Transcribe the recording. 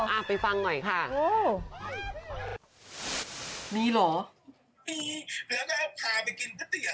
อ่ะไปฟังหน่อยค่ะโอ้มีเหรอมีแล้วก็พาไปกินก๋วยเตี๋ยว